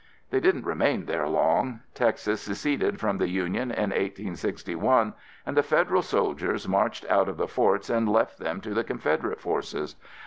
They didn't remain there long. Texas seceded from the Union in 1861 and the Federal soldiers marched out of the forts and left them to the Confederate forces.